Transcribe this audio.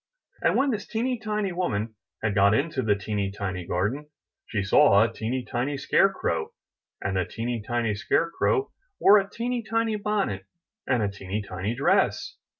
And when this teeny tiny woman had got into the teeny tiny garden, she saw a teeny tiny scare crow, and the teeny tiny scare crow wore a teeny tiny bonnet and a teeny tiny dress.